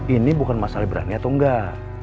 ini bukan masalah berani atau enggak